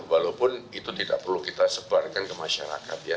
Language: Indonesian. walaupun itu tidak perlu kita sebarkan ke masyarakat ya